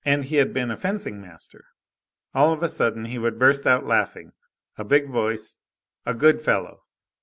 He had been a fencing master. All of a sudden, he would burst out laughing. A big voice, a good fellow.